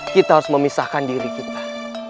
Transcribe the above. kita harus memisahkan diri kita